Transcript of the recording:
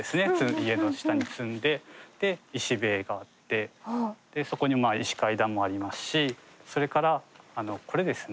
家の下に積んで石塀があってそこに石階段もありますしそれからこれですね